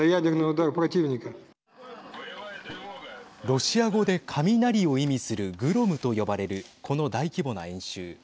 ロシア語で雷を意味するグロムと呼ばれるこの大規模な演習。